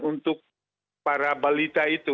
untuk para balita itu